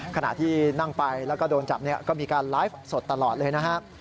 ขณะที่นั่งไปแล้วก็โดนจับก็มีการไลฟ์สดตลอดเลยนะครับ